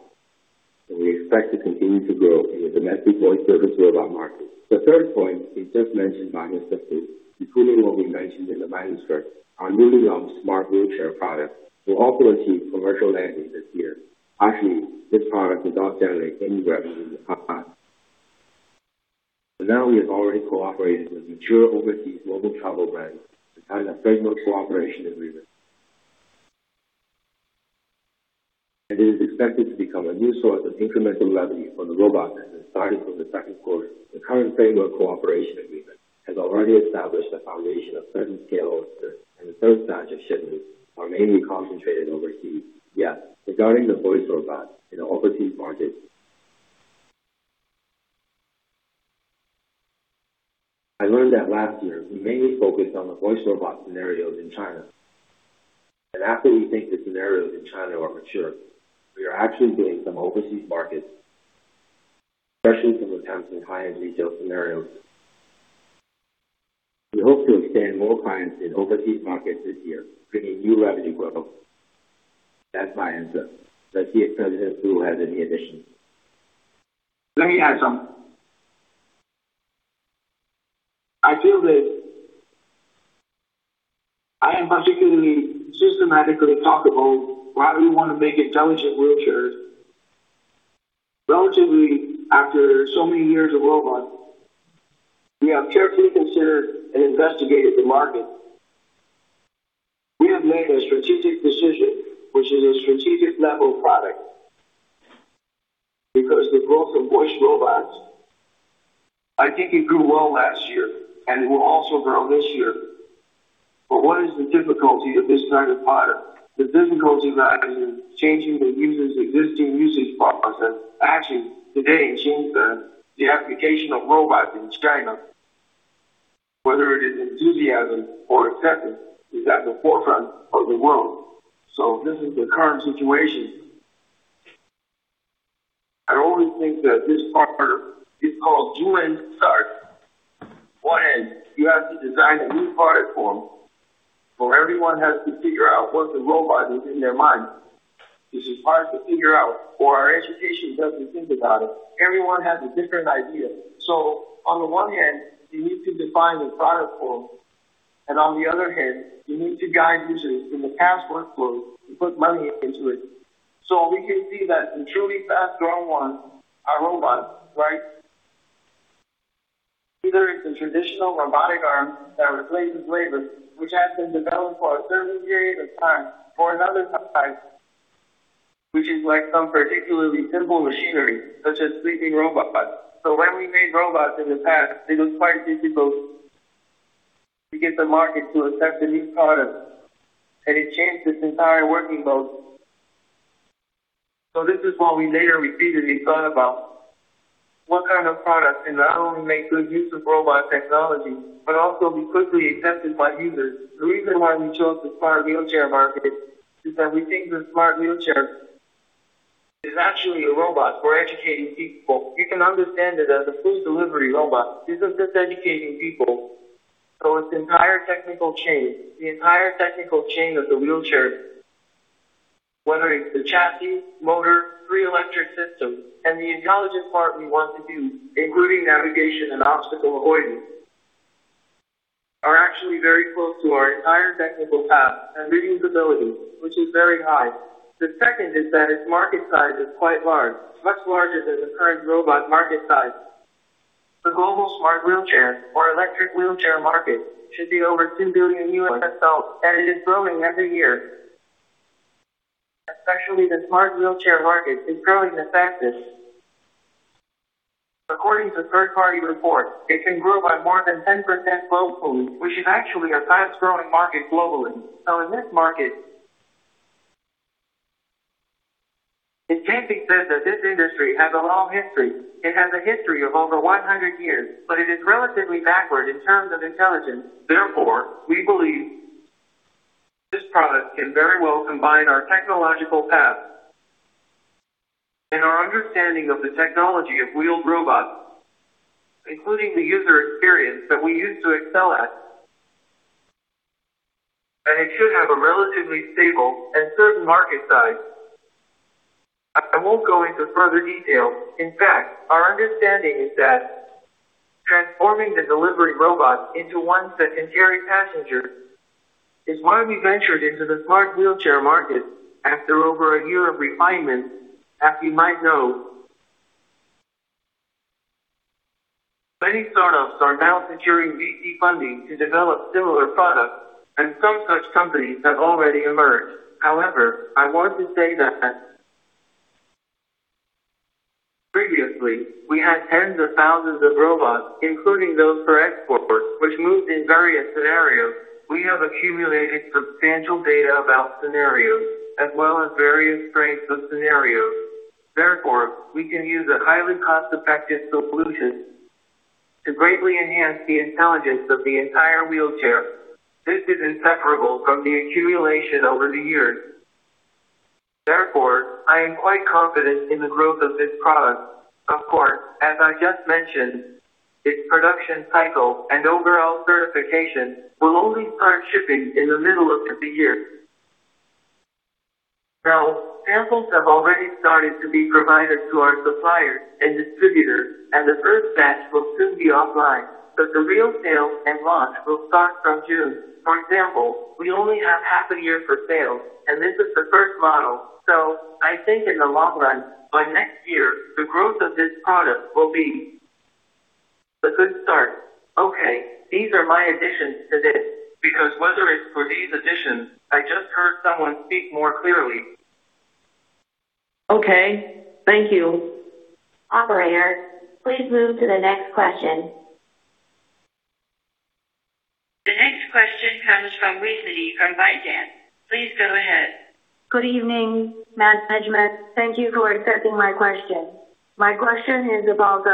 We expect to continue to grow in the domestic voice service robot market. The third point is just mentioned by Mr. Fu, including what we mentioned in the manuscript. Our newly launched smart wheelchair product will also achieve commercial landing this year. Actually, this product does not generate any revenue at the current time. Now, we have already cooperated with mature overseas mobile travel brands to sign a framework cooperation agreement. It is expected to become a new source of incremental revenue for the robot business starting from the second quarter. The current framework cooperation agreement has already established a foundation of certain scale orders, and the third batch of shipments are mainly concentrated overseas. Yes. Regarding the voice robot in the overseas market. I learned that last year we mainly focused on the voice robot scenarios in China. After we think the scenarios in China are mature, we are actually doing some overseas markets, especially some accounts in high-end retail scenarios. We hope to extend more clients in overseas markets this year, bringing new revenue growth. That's my answer. Let's see if President Fu has any additions. Let me add something. I feel that I am particularly, systematically [talk about] why we want to make intelligent wheelchairs. Relatively, after so many years of robots, we have carefully considered and investigated the market. We have made a strategic decision, which is a strategic-level product. Because the growth of voice robots, I think it grew well last year and will also grow this year. What is the difficulty of this kind of product? The difficulty lies in changing the user's existing usage process. Actually, today in Shenzhen, the application of robots in China, whether it is enthusiasm or acceptance, is at the forefront of the world. This is the current situation. I always think that this product is called dual-end start. One end, you have to design a new product form. Everyone has to figure out what the robot is in their mind, which is hard to figure out, or our education doesn't think about it. Everyone has a different idea. On the one hand, you need to define the product form, and on the other hand, you need to guide users in the past workflow to put money into it. We can see that the truly fast-growing ones are robots, right? Either it's a traditional robotic arm that replaces labor, which has been developed for a certain period of time or another type. Which is like some particularly simple machinery, such as sweeping robots. When we made robots in the past, it was quite difficult to get the market to accept a new product, and it changed its entire working mode. This is what we later repeatedly thought about. What kind of product can not only make good use of robot technology, but also be quickly accepted by users? The reason why we chose the smart wheelchair market is that we think the smart wheelchair is actually a robot for educating people. You can understand it as a food delivery robot. Isn't this educating people? Its entire technical chain, the entire technical chain of the wheelchair, whether it's the chassis, motor, three electric systems, and the intelligent part we want to do, including navigation and obstacle avoidance, are actually very close to our entire technical path and reusability, which is very high. The second is that its market size is quite large, much larger than the current robot market size. The global smart wheelchair or electric wheelchair market should be over $2 billion, and it is growing every year. Especially the smart wheelchair market is growing the fastest. According to third-party reports, it can grow by more than 10% globally, which is actually our fast-growing market globally. In this market, it can be said that this industry has a long history. It has a history of over 100 years, but it is relatively backward in terms of intelligence. Therefore, we believe this product can very well combine our technological path and our understanding of the technology of wheeled robots, including the user experience that we used to excel at. It should have a relatively stable and certain market size. I won't go into further detail. In fact, our understanding is that transforming the delivery robot into one that can carry passengers is why we ventured into the smart wheelchair market after over a year of refinement. As you might know, many startups are now securing VC funding to develop similar products, and some such companies have already emerged. However, I want to say that previously, we had tens of thousands of robots, including those for export, which moved in various scenarios. We have accumulated substantial data about scenarios as well as various strengths of scenarios. Therefore, we can use a highly cost-effective solution to greatly enhance the intelligence of the entire wheelchair. This is inseparable from the accumulation over the years. Therefore, I am quite confident in the growth of this product. Of course, as I just mentioned, its production cycle and overall certification will only start shipping in the middle of the year. Now, samples have already started to be provided to our suppliers and distributors, and the first batch will soon be offline, but the real sales and launch will start from June. For example, we only have half a year for sales, and this is the first model. I think in the long run, by next year, the growth of this product will be a good start. Okay, these are my additions to this. Because whether it's for these additions, I just heard someone speak more clearly. Okay, thank you. Operator, please move to the next question. The next question comes from Vicky Wei from ByteDance. Please go ahead. Good evening, management. Thank you for accepting my question. My question is about.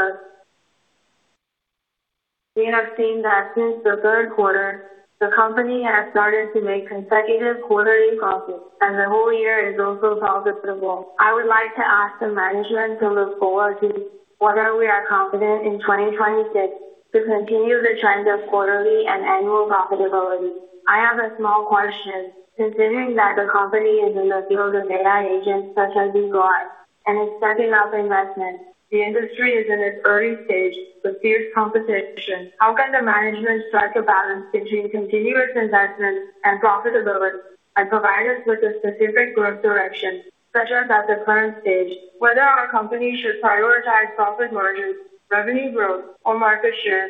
We have seen that since the third quarter, the company has started to make consecutive quarterly profits, and the whole year is also well profitable. I would like to ask the management to look forward to whether we are confident in 2026 to continue the trend of quarterly and annual profitability. I have a small question. Considering that the company is in the field of AI agents such as B-Bot and is stepping up investment, the industry is in its early stage with fierce competition. How can the management strike a balance between continuous investment and profitability and provide us with a specific growth direction, such as at the current stage, whether our company should prioritize profit margins, revenue growth, or market share?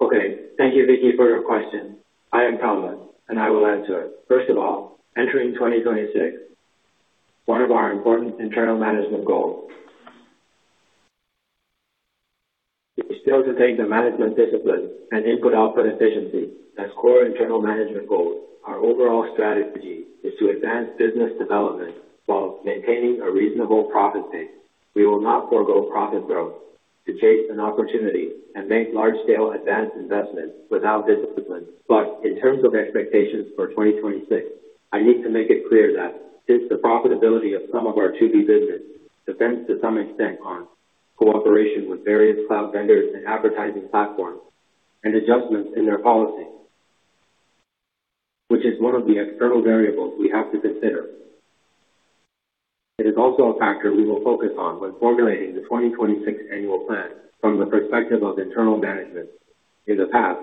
Okay. Thank you, Vicky, for your question. I am Thomas, and I will answer it. First of all, entering 2026, one of our important internal management goals is still to take the management discipline and input-output efficiency as core internal management goals. Our overall strategy is to advance business development while maintaining a reasonable profit pace. We will not forego profit growth to chase an opportunity and make large-scale advanced investments without discipline. In terms of expectations for 2026, I need to make it clear that since the profitability of some of our 2B business depends to some extent on cooperation with various cloud vendors and advertising platforms and adjustments in their policy, which is one of the external variables we have to consider. It is also a factor we will focus on when formulating the 2026 annual plan from the perspective of internal management. In the past,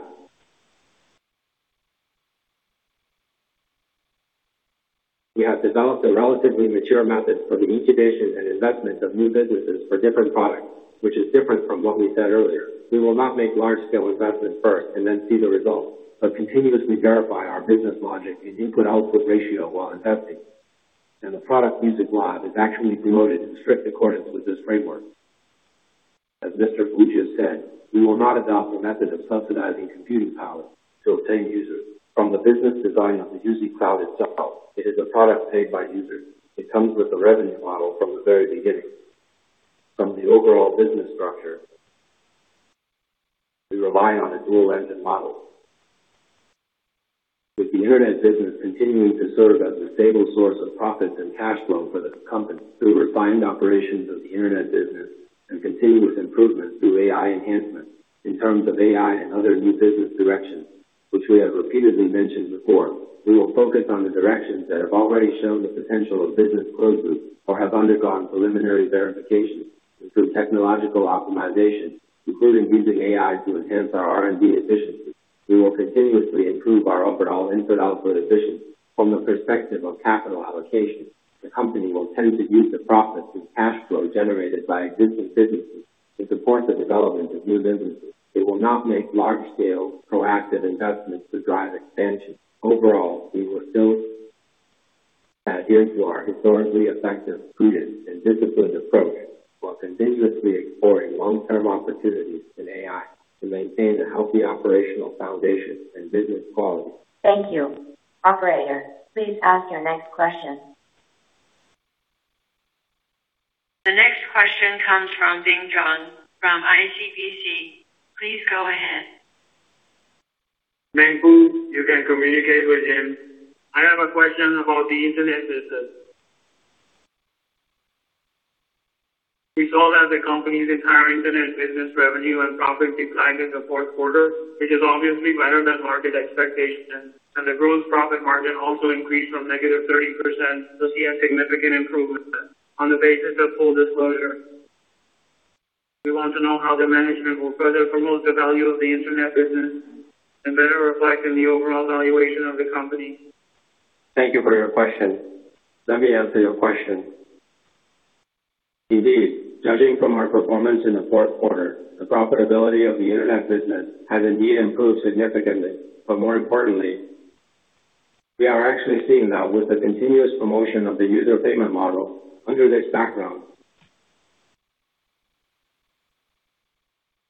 we have developed a relatively mature method for the incubation and investment of new businesses for different products, which is different from what we said earlier. We will not make large-scale investments first and then see the results, but continuously verify our business logic and input-output ratio while investing. The product Music Lab is actually promoted in strict accordance with this framework. As Mr. Fu Sheng said, we will not adopt a method of subsidizing computing power to obtain users. From the business design of the EasyCloud itself, it is a product paid by users. It comes with a revenue model from the very beginning. From the overall business structure, we rely on a dual-engine model, with the internet business continuing to serve as the stable source of profits and cash flow for the company through refined operations of the internet business and continuous improvement through AI enhancements. In terms of AI and other new business directions, which we have repeatedly mentioned before, we will focus on the directions that have already shown the potential of business growth or have undergone preliminary verification through technological optimization, including using AI to enhance our R&D efficiency. We will continuously improve our overall input-output efficiency. From the perspective of capital allocation, the company will tend to use the profits and cash flow generated by existing businesses to support the development of new businesses. It will not make large-scale proactive investments to drive expansion. Overall, we will still adhere to our historically effective prudence and disciplined approach while continuously exploring long-term opportunities in AI to maintain a healthy operational foundation and business quality. Thank you. Operator, please ask your next question. The next question comes from Ting Zhang from ICBC. Please go ahead. Meng Fu, you can communicate with him. I have a question about the internet business. We saw that the company's entire internet business revenue and profit declined in the fourth quarter, which is obviously better than market expectations, and the gross profit margin also increased from negative 30% to see a significant improvement. On the basis of full disclosure, we want to know how the management will further promote the value of the internet business and better reflect in the overall valuation of the company. Thank you for your question. Let me answer your question. Indeed, judging from our performance in the fourth quarter, the profitability of the internet business has indeed improved significantly. More importantly, we are actually seeing that with the continuous promotion of the user payment model under this background.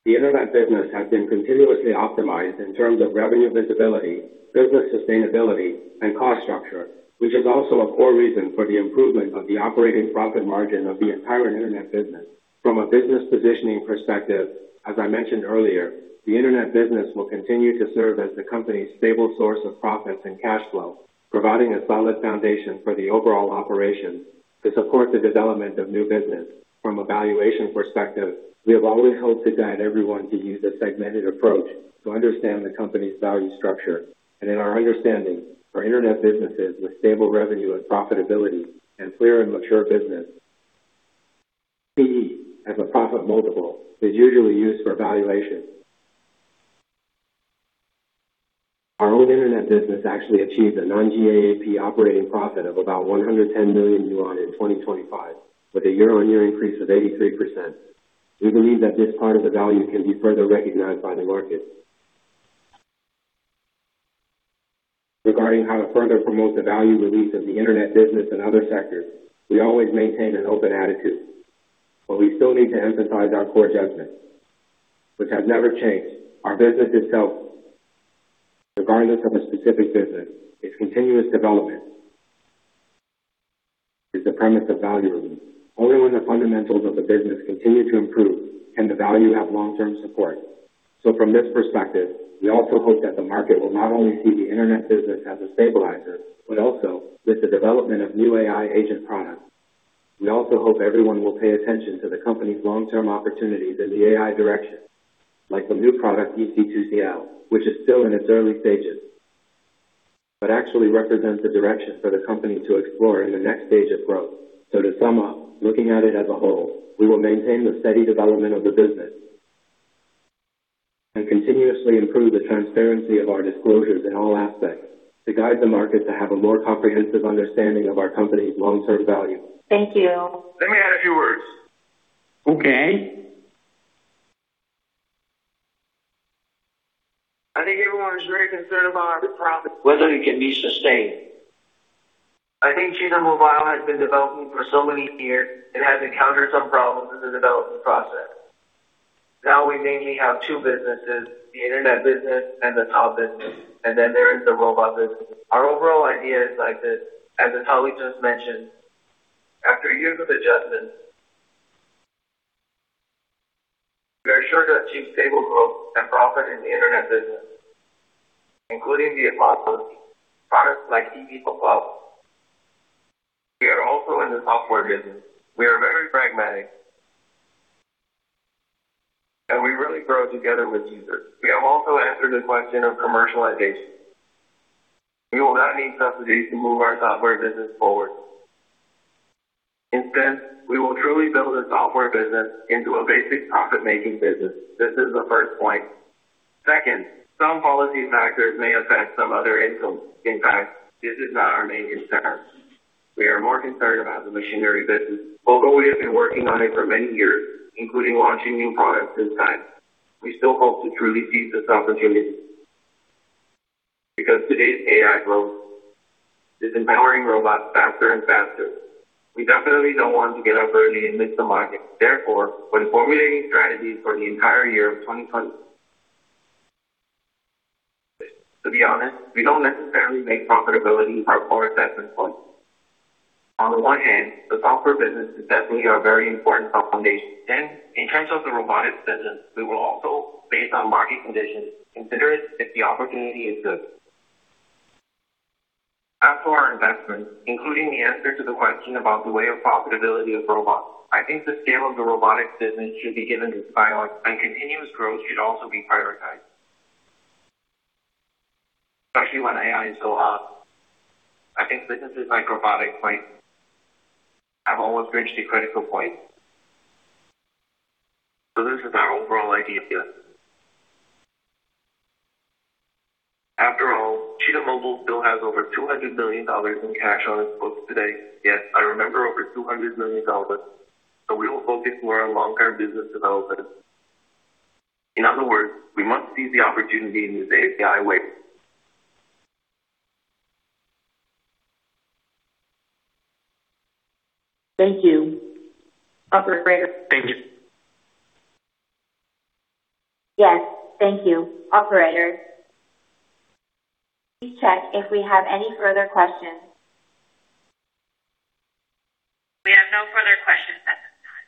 The internet business has been continuously optimized in terms of revenue visibility, business sustainability, and cost structure, which is also a core reason for the improvement of the operating profit margin of the entire internet business. From a business positioning perspective, as I mentioned earlier, the internet business will continue to serve as the company's stable source of profits and cash flow, providing a solid foundation for the overall operations to support the development of new business. From a valuation perspective, we have always hoped to guide everyone to use a segmented approach to understand the company's value structure. In our understanding, for internet businesses with stable revenue and profitability and clear and mature business, PE as a profit multiple is usually used for valuation. Our own internet business actually achieved a non-GAAP operating profit of about 110 million yuan in 2025, with a year-on-year increase of 83%. We believe that this part of the value can be further recognized by the market. Regarding how to further promote the value release of the internet business and other sectors, we always maintain an open attitude. We still need to emphasize our core judgment, which has never changed. Our business itself, regardless of a specific business, its continuous development is the premise of value release. Only when the fundamentals of the business continue to improve can the value have long-term support. From this perspective, we also hope that the market will not only see the internet business as a stabilizer, but also with the development of new AI agent products. We also hope everyone will pay attention to the company's long-term opportunities in the AI direction, like the new product EasyClaw, which is still in its early stages, but actually represents a direction for the company to explore in the next stage of growth. To sum up, looking at it as a whole, we will maintain the steady development of the business and continuously improve the transparency of our disclosures in all aspects to guide the market to have a more comprehensive understanding of our company's long-term value. Thank you. Let me add a few words. Okay. I think everyone is very concerned about our profit, whether it can be sustained. I think Cheetah Mobile has been developing for so many years and has encountered some problems in the development process. Now we mainly have two businesses, the internet business and the software business, and then there is the robot business. Our overall idea is like this. As the colleague just mentioned, after years of adjustment, we are sure to achieve stable growth and profit in the internet business, including the apostles, products like QQ mobile. We are also in the software business. We are very pragmatic, and we really grow together with users. We have also answered the question of commercialization. We will not need subsidies to move our software business forward. Instead, we will truly build a software business into a basic profit-making business. This is the first point. Second, some policy factors may affect some other incomes. In fact, this is not our main concern. We are more concerned about the machinery business. Although we have been working on it for many years, including launching new products this time, we still hope to truly seize this opportunity. Because today's AI growth is empowering robots faster and faster. We definitely don't want to get up early and miss the market. Therefore, when formulating strategies for the entire year of 2026. To be honest, we don't necessarily make profitability our core assessment point. On the one hand, the software business is definitely our very important foundation. In terms of the robotics business, we will also, based on market conditions, consider it if the opportunity is good. As for our investment, including the answer to the question about the way of profitability of robots, I think the scale of the robotics business should be given its priority, and continuous growth should also be prioritized. Especially when AI is so hot. I think businesses like robotics might have almost reached a critical point. This is our overall idea. After all, Cheetah Mobile still has over $200 million in cash on its books today. Yes, I remember over $200 million. We will focus more on long-term business development. In other words, we must seize the opportunity in this AI wave. Thank you. Operator. Thank you. Yes, thank you. Operator, please check if we have any further questions. We have no further questions at this time.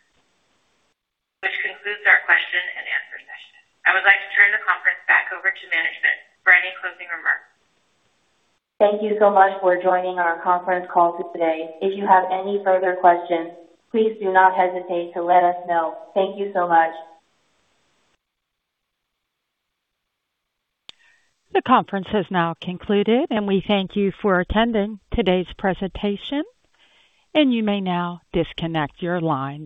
Which concludes our question and answer session. I would like to turn the conference back over to management for any closing remarks. Thank you so much for joining our conference call today. If you have any further questions, please do not hesitate to let us know. Thank you so much. The conference has now concluded, and we thank you for attending today's presentation. You may now disconnect your line.